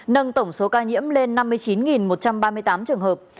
nâng tổng số ca nhiễm lên năm mươi chín một trăm ba mươi tám trường hợp